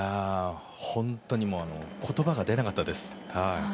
本当に言葉が出なかったです。